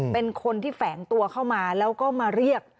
เป็นคนที่แฝงตัวเข้ามาแล้วก็มาเรียก